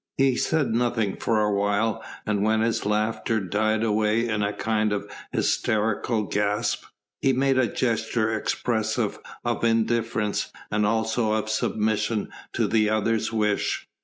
He said nothing for a while, and when his laughter died away in a kind of hysterical gasp, he made a gesture expressive of indifference and also of submission to the other's wish.